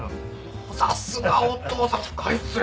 おさすがお義父さん深いっすね！